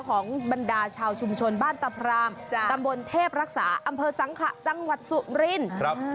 ของบรรดาชาวชุมชนบ้านตะพรามตำบลเทพรักษาอำเภอสังขะจังหวัดสุรินทร์